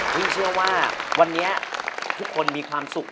พี่เชื่อว่าวันนี้ทุกคนมีความสุข